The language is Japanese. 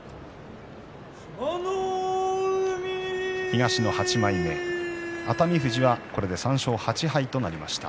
東の８枚目、熱海富士はこれで３勝８敗となりました。